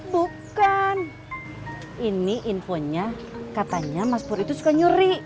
bukan ini infonya katanya mas pur itu suka nyuri